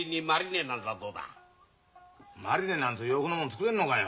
マリネなんつう洋風のもん作れんのかよ。